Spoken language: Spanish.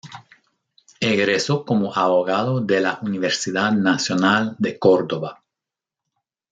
Egresó como Abogado de la Universidad Nacional de Córdoba.